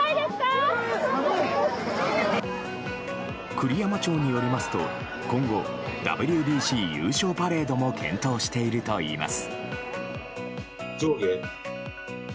栗山町によりますと今後、ＷＢＣ優勝パレードも検討しているといいます。